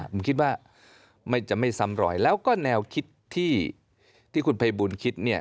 ผมคิดว่าจะไม่ซ้ำรอยแล้วก็แนวคิดที่คุณภัยบูลคิดเนี่ย